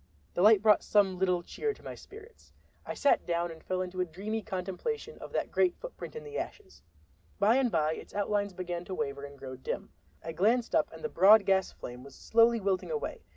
The light brought some little cheer to my spirits. I sat down and fell into a dreamy contemplation of that great footprint in the ashes. By and by its outlines began to waver and grow dim. I glanced up and the broad gas flame was slowly wilting away.